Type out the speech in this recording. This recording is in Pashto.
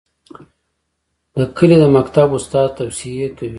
د کلي د مکتب استاد توصیې کوي.